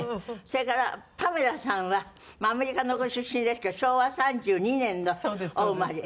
それからパメラさんはアメリカのご出身ですけど昭和３２年のお生まれ。